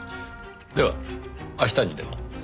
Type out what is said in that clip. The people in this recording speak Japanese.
では明日にでも。